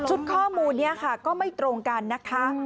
ข้อมูลนี้ค่ะก็ไม่ตรงกันนะคะ